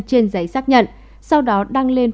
trên giấy xác nhận sau đó đăng lên